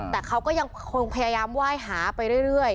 แต่เขาก็ยังคงพยายามไหว้หาไปเรื่อย